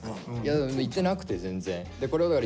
でも言ってなくて全然。